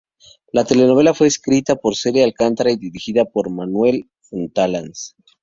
La telenovela fue escrita por Celia Alcántara y dirigida por Juan Manuel Fontanals.